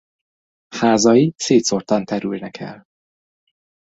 Házai szétszórtan terülnek el.